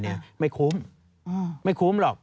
ไม่คุ้มไม่คุ้มหรอก